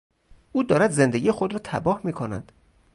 او دارد زندگی خود را تباه میکند.